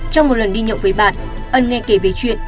trong một lần đi nhậu với bạn ân nghe kể về chuyện